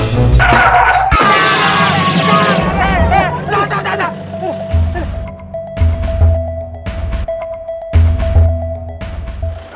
jangan jangan jangan